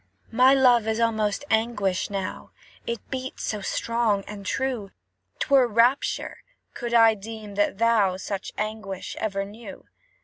My love is almost anguish now, It beats so strong and true; 'Twere rapture, could I deem that thou Such anguish ever knew.